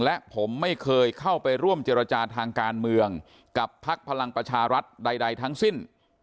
และผมไม่เคยเข้าไปร่วมเจรจาทางการเมืองกับพักพลังประชารัฐใดทั้งสิ้น